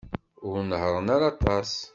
Ur nehhṛen ara aṭas.